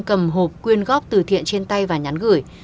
cầm hộp quyên góp từ thiện trên tay và nhắn gửi